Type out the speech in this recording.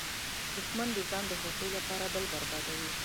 دښمن د ځان د خوښۍ لپاره بل بربادوي